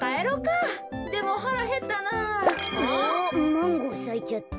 マンゴーさいちゃった。